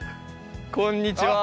あっこんにちは。